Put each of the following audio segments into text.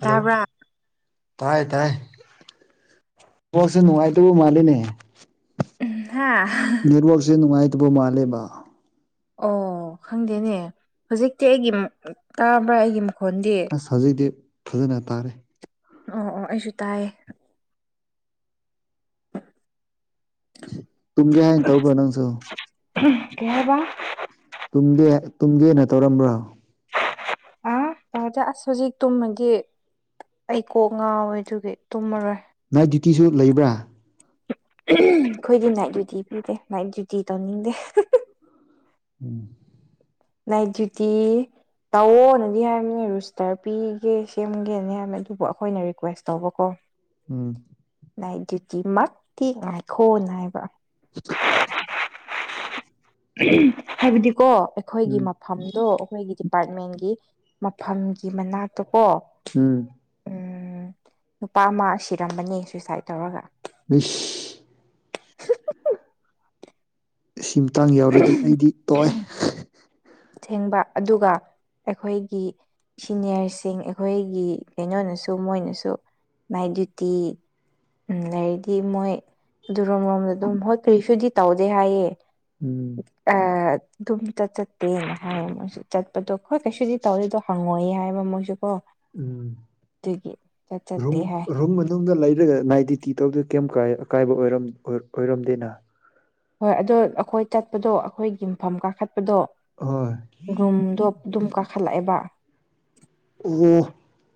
Hello ꯇꯥꯕ꯭ꯔꯥ ꯇꯥꯏ ꯇꯥꯏ ꯕꯣꯜꯁꯦ ꯅꯨꯡꯉꯥꯏꯗꯧꯕ ꯃꯥꯜꯂꯦꯅꯦ ꯍꯥꯥ ꯅꯦꯠꯋ꯭ꯔꯥꯛꯁꯦ ꯅꯨꯡꯉꯥꯏꯇꯕ ꯃꯥꯜꯂꯦꯕ ꯑꯣ ꯈꯪꯗꯦꯅꯦ ꯍꯨꯖꯤꯛꯇꯤ ꯑꯩꯒꯤꯃꯨꯛ ꯇꯥꯕ꯭ꯔꯥ ꯑꯩꯒꯤ ꯃꯈꯣꯟꯗꯤ ꯑꯁ ꯍꯧꯖꯤꯛꯇꯤ ꯐꯖꯅ ꯇꯥꯔꯦ ꯑꯣ ꯑꯣ ꯑꯩꯁꯨ ꯇꯥꯏꯌꯦ ꯇꯨꯝꯒꯦ ꯍꯥꯏꯅ ꯇꯧꯕ꯭ꯔꯥ ꯅꯪꯁꯨ ꯍꯦ ꯀꯩꯍꯥꯏꯕ ꯇꯨꯝꯒꯦ ꯇꯨꯝꯒꯦꯅ ꯇꯧꯔꯝꯕ꯭ꯔꯣ ꯑ ꯇꯗ ꯑꯁ ꯍꯧꯖꯤꯛ ꯇꯨꯝꯃꯒꯦ ꯑꯩ ꯀꯣꯛ ꯉꯥꯎꯋꯦ ꯑꯗꯨꯒꯤ ꯇꯨꯝꯃꯔꯣꯏ ꯅꯥꯏꯠ ꯗ꯭ꯌꯨꯇꯤꯁꯨ ꯂꯩꯕ꯭ꯔꯥ ꯑꯩꯈꯣꯏꯗꯤ ꯅꯥꯏꯠ ꯗ꯭ꯌꯨꯇꯤ ꯄꯤꯗꯦ ꯅꯥꯏꯠ ꯗ꯭ꯌꯨꯇꯤ ꯇꯧꯅꯤꯡꯗꯦ ꯎꯝ ꯅꯥꯏꯠ ꯗ꯭ꯌꯨꯇꯤ ꯇꯧꯑꯣꯅꯗꯤ ꯍꯥꯏꯔꯕꯅꯤ ꯔꯤꯁꯇꯔ ꯄꯤꯒꯦ ꯁꯦꯝꯒꯦꯅꯦ ꯍꯥꯏꯕꯅꯤ ꯑꯗꯨꯕꯨ ꯑꯩꯈꯣꯏꯅ ꯔꯤꯀ꯭ꯋꯦꯁꯇ ꯇꯧꯕ ꯀꯣ ꯎꯝ ꯅꯥꯏꯠ ꯗ꯭ꯌꯨꯇꯤ ꯃꯛꯇꯤ ꯉꯥꯏꯈꯣꯅ ꯍꯥꯏꯕ [inaudible] ꯎꯝ ꯍꯥꯏꯕꯗꯤꯀꯣ ꯑꯩꯈꯣꯏꯒꯤ ꯎꯝ ꯃꯞ ꯐꯝꯗꯣ ꯑꯈꯣꯏꯒꯤ ꯗꯤꯄꯥ꯭ꯔꯠꯃꯦꯟꯒꯤ ꯃꯐꯝꯒꯤ ꯃꯅꯥꯛꯇ ꯀꯣ ꯎꯝ ꯎꯝ ꯅꯨꯄꯥ ꯑꯃ ꯁꯤꯔꯝꯕꯅꯦ ꯁꯨꯁꯥꯏꯗ ꯇꯧꯔꯒ ꯑꯩꯁ ꯁꯤ ꯃꯇꯥꯡ ꯌꯥꯎꯔꯗꯤ ꯑꯩꯗꯤ ꯇꯣꯛꯑꯦ ꯊꯦꯡꯕ ꯑꯗꯨꯒ ꯑꯩꯈꯣꯏꯒꯤ ꯁꯤꯅꯤꯌꯔꯁꯤꯡ ꯑꯩꯈꯣꯏꯒꯤ ꯀꯩꯅꯣꯅꯁꯨ ꯃꯣꯏꯅꯁꯨ ꯅꯥꯏꯠ ꯗ꯭ꯌꯨꯇꯤ ꯎꯝ ꯂꯩꯗꯤ ꯃꯣꯏ ꯑꯗꯨꯔꯣꯝ ꯂꯣꯝꯗ ꯑꯗꯨꯝ ꯍꯣꯏ ꯀꯔꯤꯁꯨꯗꯤ ꯇꯧꯗꯦ ꯍꯥꯏꯌꯦ ꯎꯝ ꯑ ꯑꯗꯨꯝ ꯇ ꯆꯠ ꯇꯦꯅ ꯍꯥꯏꯌꯦ ꯃꯣꯏꯁꯨ ꯆꯠꯄꯗꯣ ꯍꯣꯏ ꯀꯩꯁꯨꯗꯤ ꯇꯧꯗꯦꯗꯣ ꯍꯪꯉꯣꯏꯌꯦ ꯍꯥꯏꯕ ꯃꯣꯏꯁꯨ ꯀꯣ ꯎꯝ ꯑꯗꯨꯒꯤ ꯆꯠ ꯔꯝ ꯆꯠꯇꯦ ꯍꯥꯏ ꯔꯨꯝ ꯃꯅꯨꯡꯗ ꯂꯩꯔꯒ ꯅꯥꯏꯠ ꯗ꯭ꯌꯨꯇꯤ ꯇꯧꯗ꯭ꯔ ꯀꯩꯝ ꯑꯀꯥꯏꯕ ꯑꯣꯏꯔꯝ ꯑꯣꯏꯔꯝꯗꯦꯅ ꯍꯣꯏ ꯑꯗꯣ ꯑꯈꯣꯏ ꯆꯠꯄꯗꯣ ꯑꯈꯣꯏ ꯌꯨꯝꯐꯝ ꯀꯥꯈꯠ ꯑꯗꯣ ꯍꯣꯏ ꯔꯨꯝꯗꯣ ꯗꯨꯨꯝ ꯀꯥꯈꯠꯂꯛꯑꯦꯕ ꯑꯣ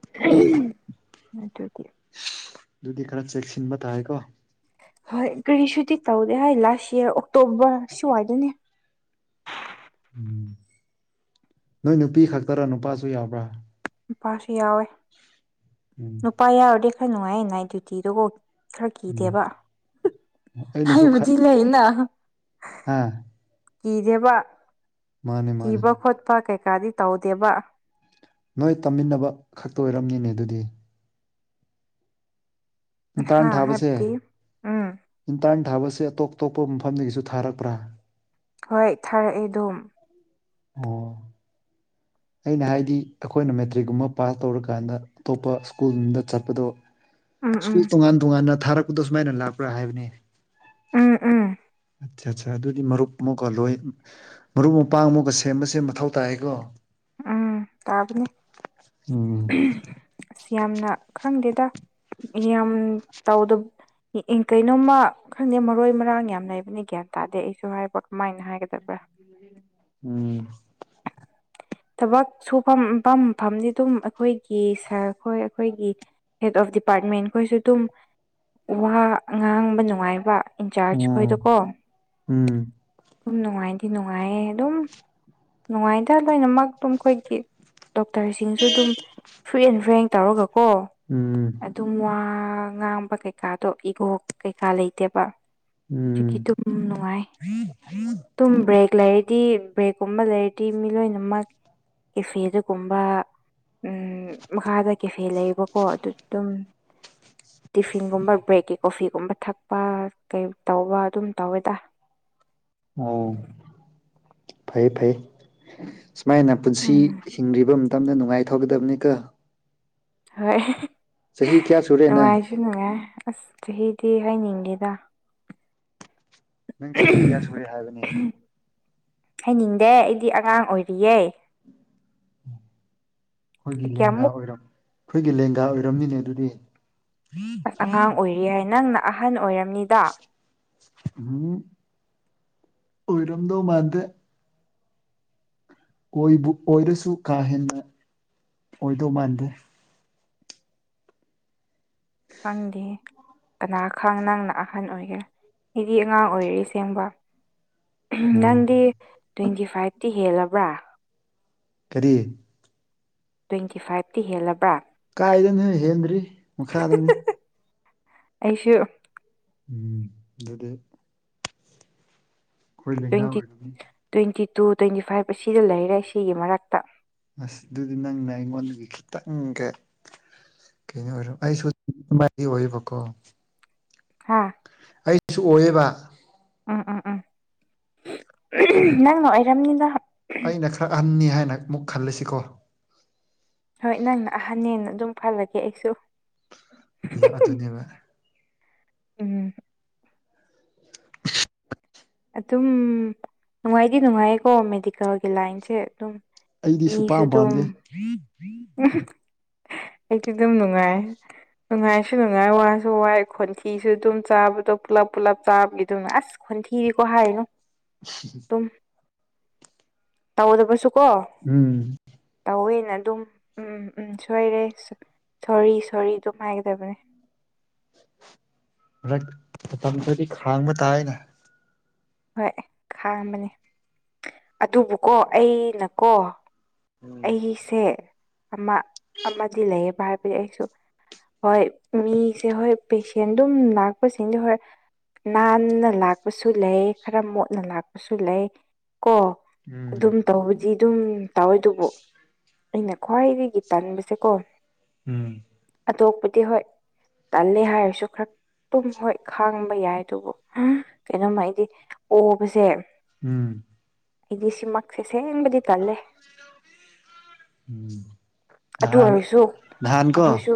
[unintelligible] ꯑꯗꯨꯗꯤ ꯈꯔ ꯆꯦꯛꯁꯤꯟꯕ ꯇꯥꯏꯀꯣ ꯍꯣꯏ ꯀꯔꯤꯁꯨꯗꯤ ꯇꯧꯗꯦ ꯍꯥꯏ ꯂꯥꯁ ꯏꯌꯥꯔ ꯑꯣꯛꯇꯣꯕꯔ ꯁꯨꯋꯥꯏꯗꯅꯦ ꯎꯝ ꯅꯣꯏ ꯅꯨꯄꯤ ꯈꯛꯇꯔ ꯅꯨꯄꯥꯁꯨ ꯌꯥꯎꯕ꯭ꯔꯥ ꯅꯨꯄꯥꯁꯨ ꯌꯥꯎꯋꯦ ꯎꯝ ꯄꯥ ꯌꯥꯎꯔꯗꯤ ꯈꯔ ꯅꯨꯡꯉꯥꯏꯌꯦ ꯅꯥꯏꯠ ꯗ꯭ꯌꯨꯇꯤꯗꯨꯒꯣ ꯈꯔ ꯎꯝ ꯀꯤꯗꯦꯕ ꯍꯥꯏꯕꯨꯗꯤ ꯂꯩꯅ ꯍꯥꯥ ꯀꯤꯗꯦꯕ ꯃꯥꯅꯦ ꯃꯥꯅꯦ ꯀꯤꯕ ꯈꯣꯠꯄ ꯀꯩꯀꯥꯗꯤ ꯇꯧꯗꯦꯕ ꯅꯣꯏ ꯇꯝꯃꯤꯟꯅꯕ ꯈꯛꯇ ꯑꯣꯏꯔꯝꯅꯤꯅꯦ ꯑꯗꯨꯗꯤ ꯏꯟꯇ꯭ꯔꯟ ꯍꯥ ꯊꯥꯕꯁꯦ ꯍꯥꯏꯕꯗꯤ ꯎꯝ ꯏꯟꯇ꯭ꯔꯟ ꯊꯥꯕꯁꯦ ꯑꯇꯣꯞ ꯑꯇꯣꯞꯄ ꯃꯐꯝꯗꯒꯤꯁꯨ ꯊꯥꯔꯛꯄ꯭ꯔꯥ ꯍꯣꯏ ꯊꯥꯔꯛꯑꯦ ꯗꯨꯝ ꯑꯣ ꯑꯩꯅ ꯍꯥꯏꯗꯤ ꯑꯩꯈꯣꯏꯅ ꯃꯦꯇ꯭ꯔꯤꯛꯀꯨꯝꯕ ꯄꯥꯁ ꯇꯧꯔꯀꯥꯟꯗ ꯑꯇꯣꯞꯄ ꯁ꯭ꯀꯨꯜꯗ ꯆꯠꯄꯗꯣ ꯎꯝ ꯎꯝ ꯁ꯭ꯀꯨꯜ ꯇꯣꯉꯥꯟ ꯇꯣꯉꯥꯟꯅ ꯊꯥꯔꯛꯄꯗꯨ ꯁꯨꯃꯥꯏꯅ ꯂꯥꯛꯄ꯭ꯔꯥ ꯍꯥꯏꯕꯅꯤ ꯎꯝ ꯎꯝ ꯑꯠꯆꯥ ꯑꯠꯆꯥ ꯑꯗꯨꯗꯤ ꯃꯔꯨꯞ ꯑꯃꯨꯛꯀꯣ ꯂꯣꯏ ꯃꯔꯨꯞ ꯃꯄꯥꯡ ꯑꯃꯨꯛꯀ ꯁꯦꯝꯕꯁꯦ ꯃꯊꯧ ꯇꯥꯏꯌꯦꯀꯣ ꯎꯝ ꯇꯥꯕꯅꯦ ꯎꯝ ꯑꯁ ꯌꯥꯝꯅ ꯈꯪꯗꯦꯗ ꯌꯥꯝ ꯇꯥꯎꯗꯕ ꯑꯦ ꯀꯩꯅꯣꯝꯃ ꯈꯪꯗꯦ ꯃꯔꯣꯏ ꯃꯔꯥꯡ ꯌꯥꯝ ꯂꯩꯕꯅꯤ ꯒ꯭ꯌꯥꯟ ꯇꯥꯗꯦ ꯑꯩꯁꯨ ꯍꯥꯏꯕ ꯀꯃꯥꯏꯅ ꯍꯥꯏꯒꯗꯕ꯭ꯔꯥ ꯎꯝ ꯊꯕꯛ ꯁꯨꯐꯝꯐꯝ ꯐꯝꯅꯤ ꯗꯨꯝ ꯑꯩꯈꯣꯏꯒꯤ ꯁꯥꯔ ꯈꯣꯏ ꯑꯩꯈꯣꯏꯒꯤ ꯍꯦꯠ ꯑꯣꯐ ꯗꯤꯄꯥꯔꯠꯃꯦꯟꯈꯣꯏꯁꯨ ꯑꯗꯨꯝ ꯋꯥ ꯉꯥꯡꯕ ꯅꯨꯡꯉꯥꯏꯕ ꯏꯟꯆꯥꯔꯖ ꯎꯝ ꯈꯣꯏꯗꯣꯀꯣ ꯎꯝ ꯑꯗꯨꯝ ꯅꯨꯡꯉꯥꯏꯗꯤ ꯅꯨꯡꯉꯥꯏꯌꯦ ꯑꯗꯨꯝ ꯅꯨꯡꯉꯥꯏꯗ ꯂꯣꯏꯅꯃꯛ ꯇꯨꯝ ꯈꯣꯏꯒꯤ ꯗꯣꯛꯇꯔꯁꯤꯡꯁꯨ ꯑꯗꯨꯝ ꯐ꯭ꯔꯤ ꯑꯦꯟ ꯐ꯭ꯔꯦꯡ ꯇꯧꯔꯒ ꯀꯣ ꯎꯝ ꯑꯗꯨꯝ ꯋꯥ ꯉꯥꯡꯕ ꯀꯩꯀꯥꯗꯣ ꯏꯒꯣ ꯀꯩꯀꯥ ꯂꯩꯇꯦꯕ ꯎꯝ ꯑꯗꯨꯒꯤꯗꯨ ꯫ ꯎꯝ ꯅꯨꯡꯉꯥꯏ ꯗꯨꯨꯝ ꯕ꯭ꯔꯦꯛ ꯂꯩꯔꯗꯤ ꯕ꯭ꯔꯦꯛ ꯒꯨꯝꯕ ꯂꯩꯔꯗꯤ ꯃꯤ ꯂꯣꯏꯅꯃꯛ ꯀꯦꯐꯦꯗꯒꯨꯝꯕ ꯎꯝ ꯃꯈꯥꯗ ꯀꯦꯐꯦ ꯂꯩꯌꯦꯕꯀꯣ ꯑꯗꯨ ꯑꯗꯨꯝ ꯇꯤꯐꯤꯟꯒꯨꯝꯕ ꯕ꯭ꯔꯦꯛꯀꯤ ꯀꯣꯐꯤꯒꯨꯝꯕ ꯊꯛꯄ ꯀꯩ ꯇꯧꯕ ꯑꯗꯨꯝ ꯇꯧꯋꯦ ꯇ ꯑꯣ ꯐꯩ ꯐꯩ ꯁꯨꯃꯥꯏꯅ ꯄꯨꯟꯁꯤ꯫ ꯎꯝ ꯏꯁꯤꯡꯂꯩꯕ ꯃꯇꯝꯗ ꯅꯨꯡꯉꯥꯏꯅ ꯊꯧꯒꯗꯕꯅꯤꯀꯣ꯫ ꯍꯣꯏ ꯫ ꯆꯍꯤ ꯀꯌꯥ ꯁꯨꯔꯦ ꯅ ꯊꯤ ꯅꯨꯡꯉꯥꯏ ꯑꯁ ꯆꯍꯤꯗꯤ ꯍꯥꯏꯅꯤꯡꯗꯦꯗ꯫ ꯅꯪ ꯆꯍꯤ ꯀꯌꯥ ꯁꯨꯔꯦ ꯍꯥꯏꯕꯅꯦ꯫ ꯍꯥꯏꯅꯤꯡꯗꯦ ꯑꯩꯗꯤ ꯑꯉꯥꯡ ꯑꯣꯏꯔꯤꯌꯦ ꯑꯩꯈꯣꯏꯒꯤ ꯂꯦꯡꯒꯥ ꯀꯌꯥꯃꯨꯛ ꯑꯣꯏꯔꯝ ꯑꯩꯈꯣꯏꯒꯤ ꯂꯦꯡꯒꯥ ꯑꯣꯏꯔꯝꯅꯤꯅꯦ ꯑꯗꯨꯗꯤ꯫ ꯑꯁ ꯑꯉꯥꯡ ꯑꯣꯏꯔꯤꯌꯦ ꯅꯪꯅ ꯑꯍꯟ ꯑꯣꯏꯔꯝꯅꯤꯗ ꯫ ꯎꯝ ꯑꯣꯏꯔꯝꯗꯧ ꯃꯥꯟꯗꯦ꯫ ꯑꯣꯏꯕꯨ ꯑꯣꯏꯔꯁꯨ ꯀꯥ ꯍꯦꯟꯅ ꯑꯣꯏꯗꯧ ꯃꯥꯟꯗꯦ ꯐꯪꯗꯦ ꯫ ꯀꯅꯥ ꯈꯪ ꯅꯪꯅ ꯑꯍꯟ ꯑꯣꯏꯒꯦꯔꯥ ꯑꯩꯗꯤ ꯑꯉꯥꯡ ꯑꯣꯏꯔꯛꯏ ꯑꯁꯦꯡꯕ꯫ ꯑꯣ ꯅꯪꯗꯤ ꯇ꯭ꯋꯦꯟꯇꯤ ꯐꯥꯏꯚꯇꯤ ꯍꯦꯜꯂꯕ꯭ꯔꯥ ꯫ ꯀꯔꯤ ꯇ꯭ꯋꯦꯟꯇꯤ ꯐꯥꯏꯞꯇꯤ ꯍꯦꯜꯂꯕ꯭ꯔꯥ꯫ ꯀꯥꯏꯗꯩꯅꯣꯍꯦ ꯍꯦꯟꯗ꯭ꯔꯤ꯫ ꯃꯈꯥꯗꯅ‌ꯦ ꯑꯩꯁꯨ ꯫ ꯎꯝ ꯑꯗꯨꯗꯤ꯫ ꯑꯩꯈꯣꯏ ꯂꯦꯡꯒꯥ ꯇ꯭ꯋꯦꯟꯇꯤ ꯑꯣꯏꯔꯝꯅꯤ꯫ ꯇ꯭ꯋꯦꯟꯇꯤ ꯇꯨ ꯇ꯭ꯋꯦꯟꯇꯤ ꯐꯥꯏꯕ ꯑꯁꯤꯗ ꯂꯩꯔꯦ ꯁꯤꯒꯤ ꯃꯔꯛꯇ ꯑꯁ ꯑꯗꯨꯗꯤ ꯅꯪꯅ ꯑꯩꯉꯣꯟꯗꯒꯤ ꯈꯤꯇꯪꯒ ꯫ ꯀꯩꯅꯣ ꯑꯣꯏꯔꯣ ꯑꯩꯁꯨ ꯗꯨꯃꯥꯏꯅꯗꯤ ꯑꯣꯏꯌꯦꯕꯀꯣ ꯫ ꯍꯥꯥ꯫ ꯑꯩꯁꯨ ꯑꯣꯏꯌꯦꯕ ꯫ ꯎꯝ ꯎꯝ ꯎꯝ ꯅꯪꯅ ꯑꯣꯏꯔꯝꯅꯤꯗ꯫ ꯑꯩꯅ ꯈꯔ ꯑꯍꯟꯅꯤ ꯍꯥꯏꯅ ꯑꯃꯨꯛ ꯈꯜꯂꯁꯤꯀꯣ ꯫ ꯍꯣꯏ ꯅꯪꯅ ꯑꯍꯟꯅ‌ꯦꯅ ꯑꯗꯨꯝ ꯈꯜꯂꯒꯦ ꯑꯩꯁꯨ꯫ ꯌꯥ ꯑꯗꯨꯅꯦꯕ ꯎꯝ꯫ [unintelligible] ꯑꯗꯨꯝ ꯅꯨꯡꯉꯥꯏꯗꯤ ꯅꯨꯡꯉꯥꯏꯌꯦꯀꯣ ꯃꯦꯗꯤꯀꯦꯜꯒꯤ ꯂꯥꯏꯟꯁꯦ ꯑꯗꯨꯝ ꯑꯩꯗꯤ ꯃꯤꯁꯨ ꯁꯨꯄꯥꯝ ꯑꯗꯨꯝ ꯄꯥꯝꯗꯦ ꯑꯩꯗꯨ ꯑꯗꯨꯝ ꯅꯨꯡꯉꯥꯏ꯫ ꯅꯨꯡꯉꯥꯏꯁꯨ ꯅꯨꯡꯉꯥꯏ ꯋꯥꯁꯨ ꯋꯥꯏ ꯈꯣꯟꯊꯤꯁꯨ ꯑꯗꯨꯝ ꯆꯥꯕꯗꯣ ꯄꯨꯜꯂꯞ ꯄꯨꯜꯂꯞ ꯆꯥꯕꯤꯗꯣ ꯑꯁ ꯈꯣꯟꯊꯤ꯫ ꯗꯤꯀꯣ ꯍꯥꯏꯔꯨꯅꯣ꯫ [unintelligible] ꯎꯝ ꯇꯧꯗꯕꯁꯨ ꯀꯣ ꯫ ꯎꯝ꯫ ꯇꯧꯋꯦꯅ ꯑꯗꯨꯝ ꯎꯝ ꯎꯝ ꯁꯣꯏꯔꯦ ꯁꯣꯔꯤ ꯁꯣꯔꯤ ꯑꯗꯨꯝ ꯍꯥꯏꯒꯗꯕꯅꯦ ꯔꯛ ꯃꯇꯝ ꯈꯔꯗꯤ ꯈꯥꯡꯕ ꯇꯥꯏꯅ꯫ ꯍꯣꯏ ꯈꯥꯡꯕꯅꯤ ꯑꯗꯨꯕꯨꯀꯣ ꯑꯩꯅꯀꯣ꯫ ꯎꯝ ꯑꯩꯁꯦ ꯑꯃ ꯑꯃꯗꯤ ꯂꯩꯌꯦꯕ ꯍꯥꯏꯕꯗꯤ ꯑꯩꯁꯨ ꯍꯣꯏ ꯃꯤꯁꯦ ꯍꯣꯏ ꯄꯦꯁꯦꯟ ꯗꯨꯝ ꯂꯥꯛꯄꯁꯤꯡꯗꯤ ꯍꯣꯏ ꯅꯥꯟꯅ ꯂꯥꯛꯄꯁꯨ ꯂꯩ ꯈꯔ ꯃꯣꯠꯅ ꯂꯥꯛꯄꯁꯨ ꯂꯩ ꯀꯣ ꯎꯝ ꯑꯗꯨꯝ ꯇꯧꯕꯗꯤ ꯑꯗꯨꯝ ꯇꯧꯋꯦ ꯑꯗꯨꯕꯨ꯫ ꯑꯩꯅ ꯈ꯭ꯋꯥꯏꯗꯒꯤ ꯇꯟꯕꯁꯦꯀꯣ ꯎꯝ꯫ ꯑꯇꯣꯞꯄꯗꯤ ꯍꯣꯏ ꯇꯜꯂꯦ ꯍꯥꯏꯔꯁꯨ ꯈꯔ꯫ ꯇꯨꯝ ꯍꯣꯏ ꯈꯥꯡꯕ ꯌꯥꯏ ꯑꯗꯨꯕꯨ ꯀꯩꯅꯣꯝꯃ ꯑꯩꯗꯤ ꯑꯣꯕꯁꯦ꯫ ꯎꯝ꯫ ꯑꯩꯗꯤ ꯁꯤꯃꯛꯁ‌ꯦ ꯁꯦꯡꯕꯗꯤ ꯇꯜꯂꯦ꯫ ꯎꯝ ꯑꯗꯨ ꯅꯍꯥꯟ ꯑꯣꯏꯔꯁꯨ ꯅꯥꯍꯟꯟ ꯀ‌ꯣ ꯑꯩꯈꯣꯏꯁꯨ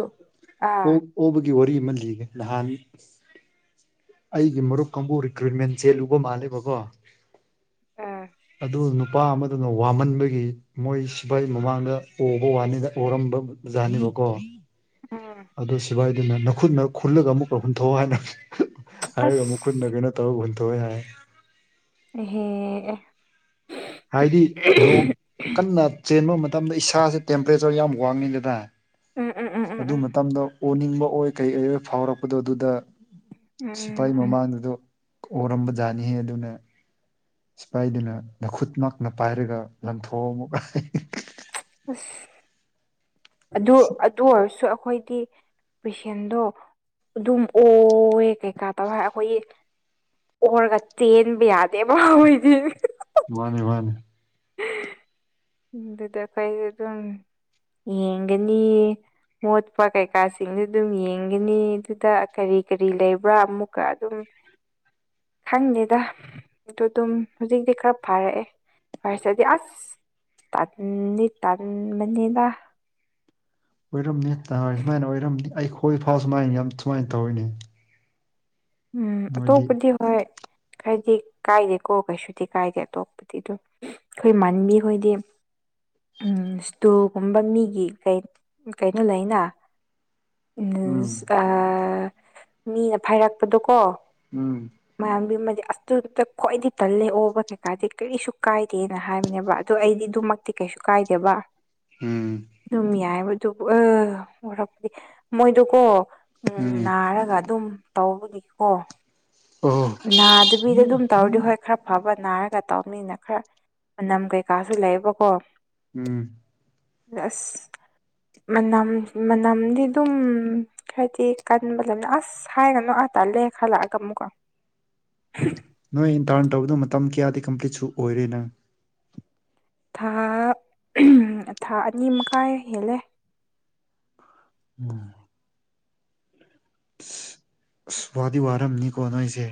ꯑꯥ ꯑꯣꯛ ꯑꯣꯕꯒꯤ ꯋꯥꯔꯤ ꯑꯃ ꯂꯤꯒꯦ ꯅꯍꯥꯟ꯫ ꯑꯩꯒꯤ ꯃꯔꯨꯞ ꯀꯥꯡꯕꯨ ꯔꯤꯀ꯭ꯔꯨꯏꯠꯃꯦꯟ ꯆꯦꯜꯂꯨꯕ ꯃꯥꯜꯂꯦꯕꯀꯣ꯫ ꯑꯥ ꯫ ꯑꯗꯨ ꯅꯨꯄꯥ ꯑꯃꯗꯨꯅ ꯋꯥꯃꯟꯕꯒꯤ ꯃꯣꯏ ꯁꯤꯐꯥꯏ ꯃꯃꯥꯡꯗ ꯑꯣꯕ ꯋꯥꯅꯤꯗ ꯑꯣꯔꯝꯕ ꯖꯥꯠꯅꯦꯕ ꯀꯣ ꯎꯝ ꯑꯗꯨ ꯁꯤꯐꯥꯏꯗꯨꯅ ꯅꯈꯨꯠꯅ ꯈꯨꯜꯂꯒ ꯑꯃꯨꯛ ꯍꯨꯟꯊꯣꯛꯑꯣ ꯍꯥꯏꯅ꯫ ꯍꯥꯏꯔꯒ ꯃꯈꯨꯠꯅ ꯑꯁ ꯀꯩꯅ‌ꯣ ꯇꯧꯔꯒ ꯍꯨꯟꯗ‌ꯣꯛꯑꯦ ꯍꯥꯏ ꯏꯍꯦ ꯑꯦ꯫ ꯍꯥꯏꯗꯤ ꯅꯣꯛ ꯀꯟꯅ ꯆꯦꯟꯕ ꯃꯇꯝꯗ ꯏꯁꯥꯁꯦ ꯇꯦꯝꯄꯔꯦꯆꯔ ꯌꯥꯝ ꯋꯥꯡꯉꯤꯗꯅ꯫ ꯎꯝ ꯎꯝ ꯎꯝ ꯎꯝ ꯑꯗꯨ ꯎꯝ ꯃꯇꯝꯗ ꯑꯣꯅꯤꯡꯕ ꯑꯣꯏ ꯀꯩꯀ ꯑꯣꯏ ꯐꯥꯎꯔꯛꯄꯗꯣ ꯑꯗꯨꯗ ꯁꯤꯐꯥꯏ ꯎꯝ ꯎꯝ ꯃꯃꯥꯡꯗꯨꯗ ꯑꯣꯔꯝꯕꯖꯥꯠꯅꯤꯍꯦ ꯑꯗꯨꯅ ꯁꯤꯐꯥꯏꯗꯨꯅ꯫ ꯅꯈꯨꯠ ꯃꯛꯅ ꯄꯥꯏꯔꯒ ꯂꯪꯊꯣꯛꯑꯝꯃꯣ ꯍꯥꯏ [unintelligible] ꯑꯁ ꯑꯗꯨ ꯑꯗꯨ ꯑꯣꯏꯔꯁꯨ ꯑꯩꯈꯣꯏꯗꯤ ꯄꯦꯁꯦꯟꯗꯣ ꯑꯗꯨꯝ ꯑꯣ꯫ ꯃꯣꯏ ꯀꯩꯀꯥ ꯇꯧꯏ ꯍꯥꯏꯔ ꯑꯩꯈꯣꯏꯒꯤ ꯑꯣꯔꯒ ꯇꯦꯟꯕ ꯌꯥꯗꯦꯕ ꯑꯈꯣꯏꯗꯤ ꯫ ꯃꯥꯅꯦ ꯃꯥꯅꯦ꯫ [inaudible] ꯑꯗꯨꯗ ꯑꯩꯈꯣꯏ ꯑꯗꯨꯝ ꯌꯦꯡꯒꯅꯤꯌꯦ꯫ ꯃꯣꯠꯄ꯭ꯔꯥ ꯀꯩꯀꯥꯁꯤꯡꯗꯨ ꯑꯗꯨꯝ ꯌꯦꯡꯒꯅꯤ ꯑꯗꯨꯗ ꯀꯔꯤ ꯀꯔꯤ ꯂꯩꯕ꯭ꯔꯥ ꯑꯃꯨꯛꯀ ꯑꯗꯨꯝ ꯫ ꯈꯪꯗꯦꯗ ꯑꯗꯨꯗꯨꯝ ꯍꯧꯖꯤꯛꯇꯤ ꯈꯔ ꯐꯔꯛꯑꯦ ꯐꯔꯁꯦꯗꯤ ꯑꯁ꯫ ꯇꯟꯅꯤ ꯇꯟꯕꯅꯤꯅ ꯫ ꯑꯣꯏꯔꯝꯅꯤ ꯅꯍꯣꯏ ꯁꯨꯃꯥꯏꯅ ꯑꯣꯏꯔꯝꯅꯤ ꯑꯩꯈꯣꯏ ꯐꯥꯎ ꯁꯨꯃꯥꯏꯅ ꯌꯥꯝ ꯁꯨꯃꯥꯏꯅ ꯇꯧꯔꯤꯅꯦ꯫ ꯎꯝ ꯑꯇꯣꯞꯄꯗꯤ꯫ ꯍꯣꯏ ꯍꯥꯏꯗꯤ ꯀꯥꯏꯗꯦꯀꯣ ꯀꯩꯁꯨꯗꯤ ꯀꯥꯏꯗꯦ ꯑꯇꯣꯞꯄꯗꯤ ꯑꯗꯨꯝ ꯫ ꯑꯩꯈꯣꯏ ꯃꯥꯟꯕꯤ ꯍꯣꯏꯗꯤ ꯑꯝ ꯁꯇꯨꯜꯒꯨꯝꯕ ꯃꯤꯒꯤ ꯀꯩꯅꯣ ꯂꯩꯅ ꯎꯝ ꯎꯝꯁ ꯀꯥ ꯃꯤꯅ ꯐꯥꯏꯔꯛꯄꯗꯣꯀꯣ꯫ ꯎꯝ꯫ ꯃꯌꯥꯝꯒꯤꯃ ꯑꯇ ꯈ꯭ꯋꯥꯏꯗꯤ ꯇꯜꯂꯦ ꯑꯣꯕ ꯀꯩꯀꯥꯗꯤ ꯀꯔꯤꯁꯨ ꯀꯥꯏꯗꯦꯅ ꯍꯥꯏꯕꯅꯦꯕ ꯑꯗꯣ ꯑꯩꯗꯤ ꯑꯗꯨꯃꯛꯇꯤ ꯀꯩꯁꯨ ꯀꯥꯏꯗꯦꯕ ꯎꯝ ꯑꯗꯨꯝ ꯌꯥꯏꯕꯗꯨꯕꯨ ꯑ ꯋꯥꯔꯛꯄꯗꯤ ꯃꯣꯏꯗꯨꯀꯣ꯫ ꯎꯝ ꯅꯥꯔꯒ ꯑꯗꯨꯝ ꯇꯧꯕꯒꯤꯀꯣ꯫ ꯑꯣ ꯫ ꯅꯥꯗꯕꯤꯗ ꯑꯗꯨꯝ ꯇꯧꯔꯗꯤ ꯍꯣꯏ ꯈꯔ ꯐꯕ ꯅꯥꯔꯒ ꯇꯧꯅꯤꯅ ꯈꯔ꯫ ꯃꯅꯝ ꯀꯩꯀꯥꯁꯨ ꯂꯩꯕꯀꯣ꯫ ꯎꯝ꯫ ꯑꯁ꯫ ꯃꯅꯝ ꯃꯅꯝꯗꯤ ꯗꯨꯝ ꯊꯣꯛꯑꯦ ꯀꯟꯕ ꯂꯩꯕꯅ ꯑꯁ ꯁꯥꯏꯒꯅꯣ ꯑꯥꯇꯜꯂꯦ ꯈꯜꯂꯛꯑꯒ ꯑꯃꯨꯛꯀꯣ ꯅꯣꯏ ꯏꯟ ꯇꯔꯟ ꯇꯧꯕꯗꯨꯣ ꯃꯇꯝ ꯀꯌꯥꯗꯤ ꯀꯝꯄ꯭ꯂꯤꯠ ꯁꯨ ꯑꯣꯏꯔꯦ ꯅꯪ ꯊꯥ ꯊꯥ ꯑꯅꯤ ꯃꯈꯥꯏ ꯍꯦꯜꯂꯦ ꯎꯝ ꯑꯁ ꯋꯥꯗꯤ ꯋꯥꯔꯝꯅꯤꯀꯣ ꯅꯣꯏꯁꯦ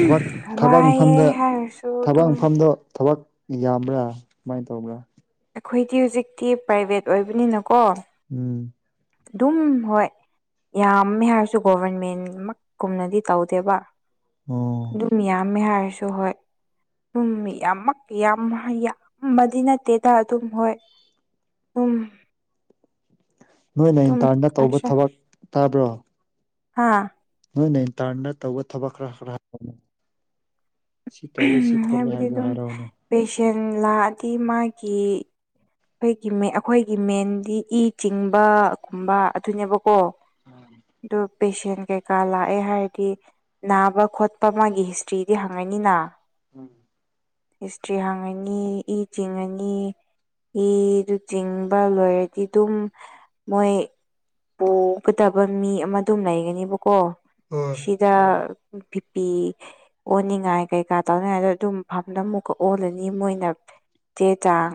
ꯊꯕꯛ ꯊꯕꯛꯃꯐꯝꯗ ꯋꯥꯏꯑꯦ ꯍꯥꯏꯔꯁꯨ ꯑꯗꯨꯝ ꯊꯕꯛꯃꯐꯝꯗꯣ ꯊꯕꯛ ꯌꯥꯝꯕ꯭ꯔꯥ ꯀꯃꯥꯏꯅ ꯇꯧꯕ꯭ꯔꯥ ꯑꯩꯈꯣꯏꯗꯤ ꯍꯧꯖꯤꯛꯀꯤ ꯄ꯭ꯔꯥꯏꯕꯦꯠ ꯑꯣꯏꯕꯅꯤꯅꯀꯣ ꯎꯝ ꯑꯗꯨꯝ ꯍꯣꯏ ꯌꯥꯝꯃꯦ ꯍꯥꯏꯔꯁꯨ ꯒꯣꯚꯔꯟꯃꯦꯟꯃꯛ ꯀꯨꯝꯅꯗꯤ ꯇꯧꯗꯦꯕ ꯅꯣ ꯑꯗꯨꯝ ꯌꯥꯝꯃꯦ ꯍꯥꯏꯔꯁꯨ ꯍꯣꯏ ꯑꯝ ꯌꯥꯝꯃꯛ ꯌꯥꯝ ꯌꯥꯝꯕꯗꯤ ꯅꯠꯇꯦꯗ ꯑꯗꯨꯝ ꯍꯣꯏ ꯎꯝ ꯅꯣꯏꯅ ꯏꯟꯇꯔꯗ ꯇꯧꯕ ꯑꯗꯨꯝ ꯊꯕꯛ ꯇꯥꯕ꯭ꯔꯣ ꯍꯥꯥ ꯅꯣꯏ ꯅꯇꯔꯅ ꯇꯧꯕ ꯊꯕꯛ ꯈꯔ ꯈꯔ ꯁꯤ ꯇꯧꯋꯤ ꯁꯤ ꯈꯣꯠꯂꯦ ꯍꯥꯏꯕꯗꯤ ꯍꯥꯏꯗꯣ ꯑꯗꯨꯝ ꯍꯥꯏꯔꯛꯑꯣꯅꯦ ꯄꯦꯁꯦꯟ ꯂꯥꯛꯑꯗꯤ ꯃꯥꯒꯤ ꯑꯩꯒꯤ ꯃꯦ ꯑꯩꯈꯣꯢꯒꯤ ꯃꯦꯟꯗꯤ ꯏ ꯆꯤꯡꯕꯒꯨꯝꯕ ꯑꯗꯨꯅꯦꯕ ꯑꯣ ꯗꯨ ꯄꯦꯁꯦꯟ ꯀꯩꯀꯥ ꯂꯥꯛꯑꯦ ꯍꯥꯏꯔꯗꯤ ꯅꯥꯕ ꯈꯣꯠꯄ ꯃꯥꯒꯤ ꯍꯤꯁꯇ꯭ꯔꯤꯗꯤ ꯍꯪꯉꯥꯅꯤꯅ ꯎꯝ ꯍꯤꯁꯇ꯭ꯔꯤ ꯍꯥꯡꯉꯅꯤ ꯏ ꯆꯤꯡꯉꯅꯤ ꯏꯗꯨ ꯆꯤꯡꯕ ꯂꯣꯢꯔꯗꯤ ꯑꯗꯨꯝ ꯃꯣꯢ ꯄꯨꯒꯗꯕ ꯃꯤ ꯑꯃ ꯑꯗꯨꯝ ꯂꯩꯒꯅꯦꯕꯀꯣ ꯍꯣꯏ ꯁꯤ ꯖ ꯄꯤ ꯄꯤ ꯑꯣꯅꯤꯡꯉꯥꯏ ꯀꯩꯀꯥ ꯇꯧꯅꯤꯡꯉꯥꯏꯗꯣ ꯑꯗꯨꯝ ꯐꯝꯗ ꯑꯃꯨꯛꯀ ꯑꯣꯜꯂꯅꯤ ꯃꯣꯏꯅ ꯆꯦ ꯆꯥꯡ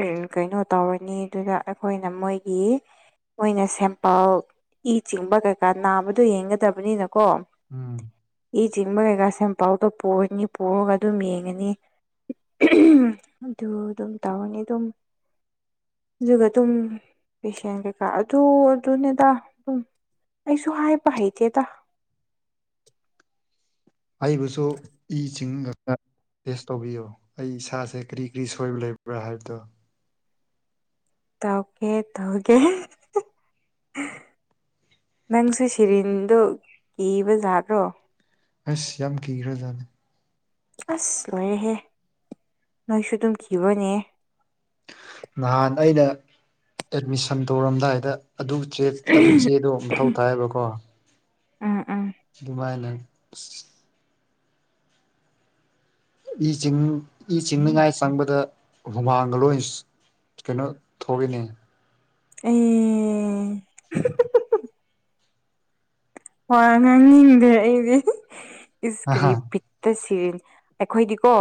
ꯑꯦ ꯀꯩꯅꯣ ꯇꯧꯔꯅꯤ ꯗꯨꯒ ꯑꯈꯣꯢꯅ ꯃꯣꯢꯒꯤ ꯃꯣꯏꯅ ꯁꯦꯝꯄꯜ ꯏ ꯆꯤꯡꯕ ꯀꯩꯀꯥ ꯅꯥꯕꯗꯣ ꯌꯦꯡꯒꯗꯕꯅꯤꯅ ꯀꯣ ꯎꯝ ꯏ ꯆꯤꯡꯕ ꯀꯩꯀꯥ ꯁꯦꯝꯄꯜꯗꯣ ꯄꯨꯔꯅꯤ ꯄꯨꯔꯒ ꯑꯗꯨꯝ ꯌꯦꯡꯉꯥꯅꯤ ꯑꯗꯨ ꯑꯗꯨꯝ ꯇꯧꯔꯅꯤ ꯑꯗꯨꯝ ꯑꯗꯨꯒ ꯑꯗꯨꯝ ꯄꯦꯁꯦꯟ ꯀꯩꯀꯥ ꯑꯗꯨ ꯑꯗꯨꯅꯦꯗ ꯑꯗꯨꯝ ꯑꯩꯁꯨ ꯍꯥꯏꯕ ꯍꯩꯇꯦꯗ ꯑꯩꯕꯨꯁꯨ ꯏ ꯆꯤꯡ ꯉꯛ ꯑ ꯇꯦꯁ ꯇꯧꯕꯤꯌꯣ ꯑꯩ ꯏꯁꯥꯁꯦ ꯀꯔꯤ ꯀꯔꯤ ꯁꯣꯏꯕ ꯂꯩꯕ꯭ꯔꯥ ꯍꯥꯏꯕꯗꯣ ꯇꯧꯀꯦ ꯇꯧꯒꯦ ꯅꯪꯁꯦ ꯁꯤꯔꯤꯟꯗꯣ ꯀꯤꯕ ꯖꯥꯠꯔꯣ꯫ ꯑꯁ ꯌꯥꯝ ꯀꯤꯒꯔꯥꯖꯠꯅꯤ ꯑꯁ ꯂꯣꯏꯔꯦꯍꯦ ꯅꯣꯏꯁꯨ ꯑꯗꯨꯝꯈꯤꯕꯅꯦ ꯅꯍꯥꯟ ꯑꯩꯅ ꯑꯦꯠꯃꯤꯁꯟ ꯇꯧꯔꯝꯗꯥꯏꯗ ꯑꯗꯨ ꯑꯗꯨ ꯆꯦꯗꯣ ꯃꯊꯧ ꯇꯥꯢꯕꯀꯣ ꯎꯝ ꯎꯝ ꯁꯨꯒꯨꯃꯥꯢꯅ ꯏ ꯆꯤꯡ ꯏ ꯆꯤꯡꯅꯤꯉꯥꯏ ꯆꯪꯕꯗ ꯍꯨꯃꯥꯡꯒ ꯂꯣꯏꯅ ꯀꯩꯅꯣ ꯊꯣꯛꯏꯅꯦ ꯑꯩ ꯋꯥ ꯉꯥꯡꯅꯤꯡꯗꯦ ꯑꯩꯗꯤ ꯑꯍꯥ ꯏꯁꯀ꯭ꯔꯤꯕꯤꯠ ꯇ ꯁꯤꯔꯤꯟꯁ ꯑꯩꯈꯣꯢꯗꯤꯀꯣ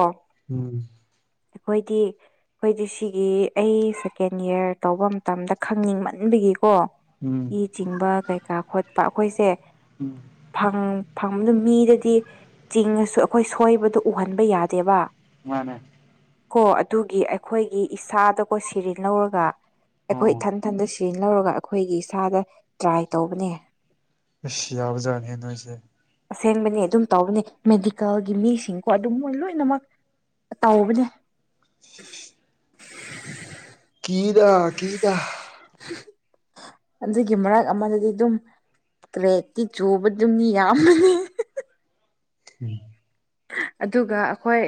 ꯎꯝ ꯑꯩꯈꯣꯏꯗꯤ ꯑꯩꯈꯣꯏꯗꯤ ꯁꯤꯒꯤ ꯑꯩ ꯁꯦꯀꯦꯟ ꯌꯤꯔ ꯇꯧꯕ ꯃꯇꯝꯗ ꯈꯪꯅꯤꯡꯃꯟꯕꯒꯤꯀꯣ ꯎꯝ ꯏ ꯆꯤꯡꯕ ꯀꯩꯀꯥ ꯈꯣꯠꯄ ꯑꯩꯈꯣꯏꯖꯦ ꯎꯝ ꯐꯪꯕꯗꯨ ꯃꯤꯗꯗꯤ ꯆꯤꯡꯉꯁꯨ ꯑꯩꯈꯣꯏ ꯁꯣꯏꯕꯗꯣ ꯎꯍꯟꯕ ꯌꯥꯗꯦꯕ ꯃꯥꯅꯦ ꯀꯣ ꯑꯗꯨꯒꯤ ꯑꯩꯈꯣꯏꯒꯤ ꯏꯁꯥꯗꯀꯣ ꯁꯤꯔꯤ ꯂꯧꯔꯒ ꯑꯩꯈꯣꯏ ꯑꯣ ꯏꯊꯟꯊꯟꯇ ꯁꯤꯖꯤ ꯂꯧꯔꯒ ꯑꯩꯈꯣꯏꯒꯤ ꯏꯁꯥꯗ ꯇ꯭ꯔꯥꯏ ꯇꯧꯕꯅꯦ ꯏꯁꯁ ꯌꯥꯕꯖꯥꯠꯅꯦꯍꯦ ꯅꯣꯏꯁꯦ ꯑꯁꯦꯡꯕꯅꯤ ꯑꯗꯨꯝ ꯇꯧꯕꯅꯦ ꯃꯦꯗꯤꯀꯦꯜꯒꯤ ꯃꯤꯁꯤꯡꯀꯣ ꯑꯗꯨꯝ ꯃꯣꯏ ꯂꯣꯏꯅꯃꯛ ꯇꯧꯕꯅꯦ [inaudible] ꯀꯤꯗꯥ ꯀꯤꯗꯥ [unintelligible] ꯑꯗꯨꯒꯤ ꯃꯔꯛ ꯑꯃꯗꯗꯤ ꯗꯨꯝ ꯀ꯭ꯔꯦꯛꯇꯤ ꯆꯨꯕꯗꯨꯝ ꯃꯤ ꯌꯥꯝꯕꯅꯦ꯫ ꯎꯝ ꯑꯗꯨꯒ ꯑꯩꯈꯣꯏ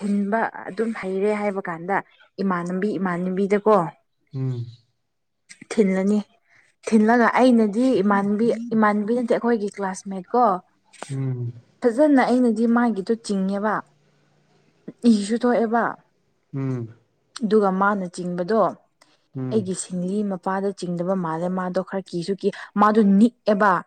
ꯊꯤꯟꯕ ꯑꯗꯨꯝ ꯍꯩꯔꯦ ꯍꯥꯏꯕ ꯀꯥꯟꯗ ꯏꯃꯥꯟꯅꯕꯤ ꯏꯃꯥꯟꯅꯕꯤꯗꯀꯣ ꯎꯝ ꯊꯤꯜꯂꯅꯤ ꯊꯤꯜꯂꯒ ꯑꯩꯅꯗꯤ ꯏꯃꯥꯟꯕꯤ ꯏꯃꯥꯟꯕꯤꯅꯠꯇꯦ ꯑꯩꯈꯣꯏꯒꯤ ꯀ꯭ꯂꯥꯁ ꯀꯣ ꯎꯝ ꯎꯝ ꯐꯖꯅ ꯑꯩꯅꯗꯤ ꯃꯥꯒꯤꯗꯣ ꯆꯤꯡꯉꯦꯕ ꯏꯁꯨ ꯊꯣꯛꯑꯦꯕ ꯎꯝ ꯑꯗꯨꯒ ꯃꯥꯅ ꯆꯤꯡꯕꯗꯣ ꯎꯝ ꯑꯩꯒꯤꯁꯤ ꯂꯤ ꯃꯄꯥꯗ ꯆꯤꯡꯗꯕ ꯃꯥꯜꯂꯦ ꯃꯥꯗꯣ ꯈꯔ ꯀꯤꯁꯨ ꯀꯤ ꯃꯥꯗꯣ ꯅꯤꯛꯑꯦꯕ꯫